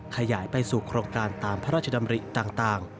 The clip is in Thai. ขยายไปสู่โครงการตามพระราชดำริต่าง